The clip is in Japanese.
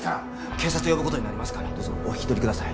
警察呼ぶことになりますからどうぞお引き取りください